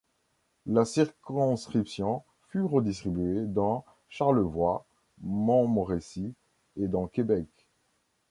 La circonscription fut redistribuée dans Charlevoix—Montmorency et dans Québec.